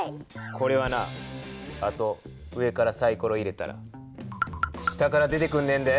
これはな上からサイコロ入れたら下から出てくんねんで。